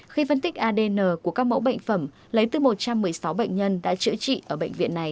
khi phân tích adn của các mẫu bệnh phẩm lấy từ một trăm một mươi sáu bệnh nhân đã chữa trị ở bệnh viện này